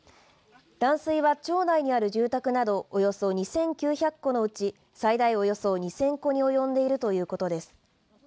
断水は町内にある住宅などおよそ２９００戸のうち最大およそ２０００戸に及んでいるということです。